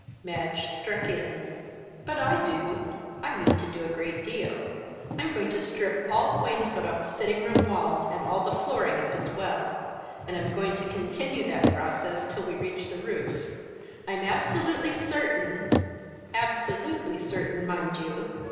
Madge struck in. "But I do; I mean to do a great deal. I'm going to strip all the wainscot off the sitting room wall, and all the flooring up as well. And I'm going to continue that process till we reach the roof. I'm absolutely certain absolutely certain, mind you!